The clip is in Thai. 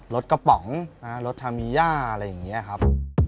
รถกระป๋องรถทามีย่าอะไรอย่างนี้ครับ